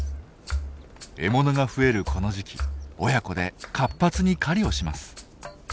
獲物が増えるこの時期親子で活発に狩りをします。